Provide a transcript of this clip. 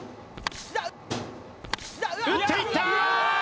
打っていった！